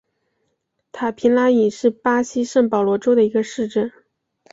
塔皮拉伊是巴西圣保罗州的一个市镇。